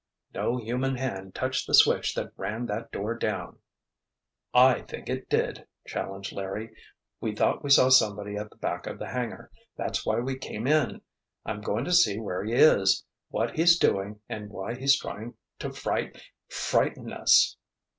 "No human hand touched the switch that ran that door down!" "I think it did!" challenged Larry. "We thought we saw somebody at the back of the hangar—that's why we came in! I'm going to see where he is, what he's doing and why he's trying to fright—frighten us!"